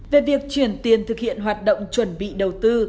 về việc chuyển tiền thực hiện hoạt động chuẩn bị đầu tư